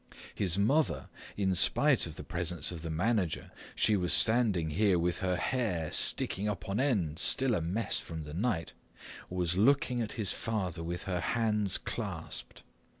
His mother—in spite of the presence of the manager she was standing here with her hair sticking up on end, still a mess from the night—was looking at his father with her hands clasped.